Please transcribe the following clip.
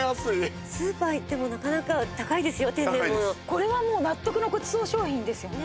これはもう納得のごちそう商品ですよね。